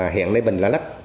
hiện nơi bình lã lách